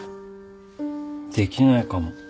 できないかも。